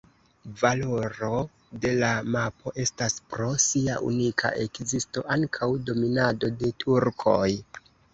Valoro de la mapo estas pro sia unika ekzisto antaŭ dominado de turkoj.